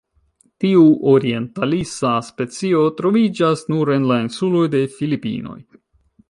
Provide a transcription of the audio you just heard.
Tiu orientalisa specio troviĝas nur en la insuloj de Filipinoj.